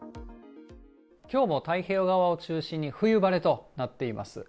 きょうも太平洋側を中心に冬晴れとなっています。